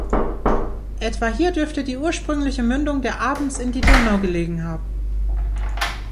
Etwa hier dürfte die ursprüngliche Mündung der Abens in die Donau gelegen haben.